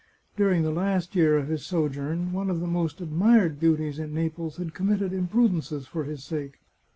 During the last year of his sojourn, one of the most admired beauties in Naples had committed imprudences for his sake.